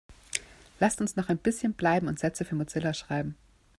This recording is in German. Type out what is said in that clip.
Lasst uns noch ein bisschen bleiben und Sätze für Mozilla schreiben.